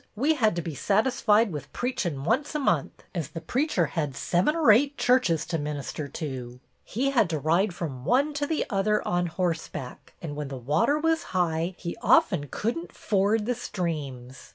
We had to be sat isfied with preachin' once a month, as the preacher had seven or eight churches to minister to. He had to ride from one to the other on horseback, and, when the water was high, he often could n't ford the streams.